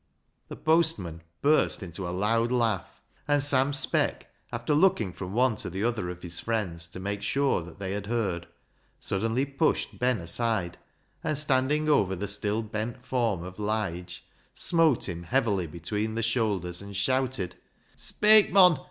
The postman burst into a loud laugh, and Sam Speck, after looking from one to the other of his friends to make sure that they had heard, suddenly pushed Ben aside, and standing over the still bent form of Lige, smote him heavily between the shoulders, and shouted —•" Speik, mon